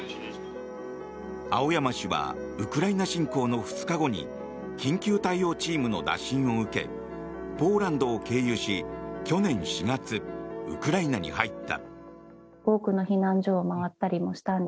青山氏はウクライナ侵攻の２日後に緊急対応チームの打診を受けポーランドを経由し去年４月、ウクライナに入った。